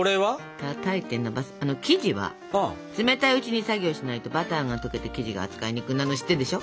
生地は冷たいうちに作業しないとバターが溶けて生地が扱いにくくなるの知ってるでしょ？